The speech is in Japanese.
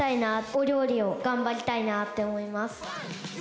お料理を頑張りたいなって思います。